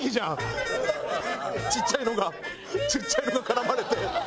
ちっちゃいのがちっちゃいの絡まれて。